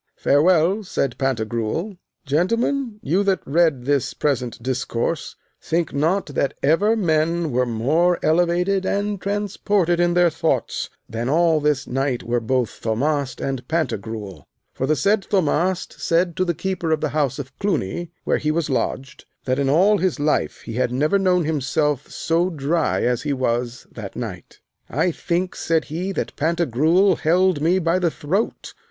Farewell, said Pantagruel. Gentlemen, you that read this present discourse, think not that ever men were more elevated and transported in their thoughts than all this night were both Thaumast and Pantagruel; for the said Thaumast said to the keeper of the house of Cluny, where he was lodged, that in all his life he had never known himself so dry as he was that night. I think, said he, that Pantagruel held me by the throat.